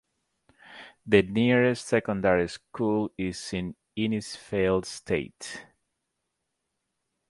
The nearest secondary school is in Innisfail Estate.